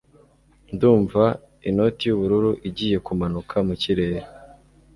ndumva inoti y'ubururu igiye kumanuka mukirere